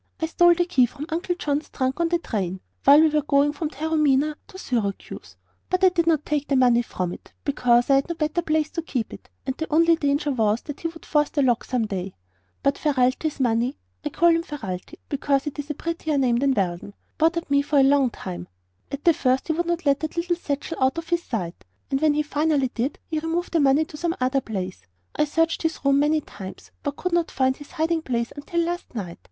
I stole the key to Uncle John's trunk on the train, while we were going from Taormina to Syracuse; but I did not take the money from it because I had no better place to keep it, and the only danger was that he would force the lock some day. But Ferralti's money I call him Ferralti because it is a prettier name than Weldon bothered me for a long time. At the first he would not let that little satchel out of his sight, and when he finally did he had removed the money to some other place. I searched his room many times, but could not find his hiding place until last night.